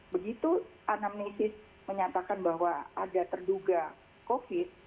begitu anamnesis menyatakan bahwa ada terduga covid